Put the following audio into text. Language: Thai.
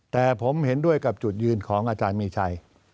แต่ผมเห็นด้วยกับจุดยืนของอาจารย์มีชัย